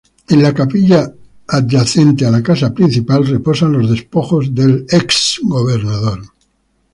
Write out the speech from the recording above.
En la capilla adyacente a la casa principal reposan los despojos del ex-gobernador.